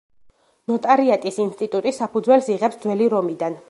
ნოტარიატის ინსტიტუტი საფუძველს იღებს ძველი რომიდან.